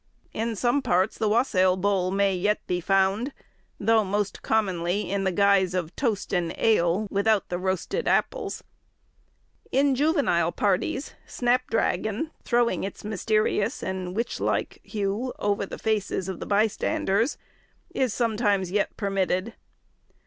In some parts the wassail bowl may yet be found, though most commonly in the guise of toast and ale, without the roasted apples. In juvenile parties, snap dragon, throwing its mysterious and witch like hue over the faces of the bystanders, is sometimes yet permitted.